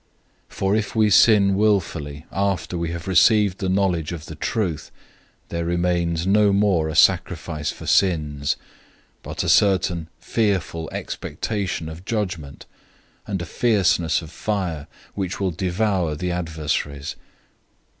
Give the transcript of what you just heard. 010:026 For if we sin willfully after we have received the knowledge of the truth, there remains no more a sacrifice for sins, 010:027 but a certain fearful expectation of judgment, and a fierceness of fire which will devour the adversaries.